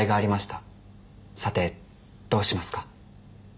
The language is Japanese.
さてどうしますか？